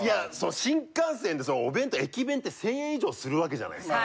新幹線でお弁当駅弁って１０００円以上する訳じゃないすか。